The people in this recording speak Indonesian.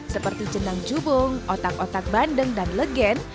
seperti jenang jubung otak otak bandeng dan legen